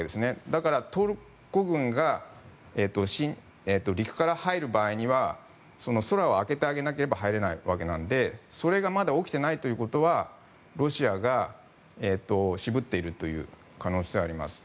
だからトルコ軍が陸から入る場合には空は空けてあげなければ入れないわけなのでそれがまだ起きていないということはロシアが渋っている可能性があります。